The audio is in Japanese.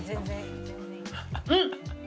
うん！